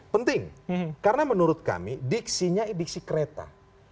penting karena menurut kami diksinya diksi kereta